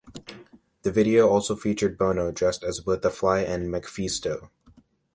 The video also featured Bono dressed as both "The Fly" and "MacPhisto".